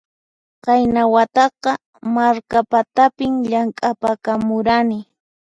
Qayna wataqa Markapatapin llamk'apakamurani